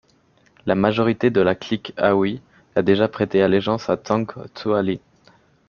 La majorité de la clique d'Anhui a déjà prêté allégeance à Zhang Zuolin.